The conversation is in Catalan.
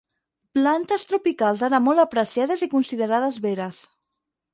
Plantes tropicals ara molt apreciades i considerades veres.